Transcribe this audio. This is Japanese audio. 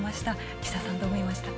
岸田さん、どう見ましたか？